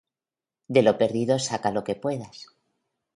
De lo perdido saca lo que puedas.